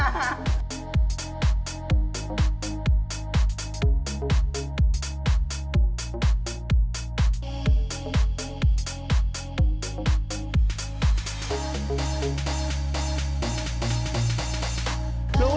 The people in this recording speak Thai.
ไม่ครับ